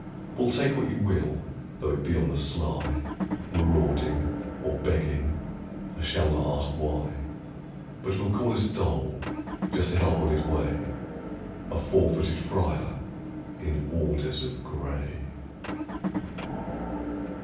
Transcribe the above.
Well, take what you will, though it be on the sly, Marauding or begging, I shall not ask why, But will call it a dole, just to help on his way A four footed friar in orders of gray!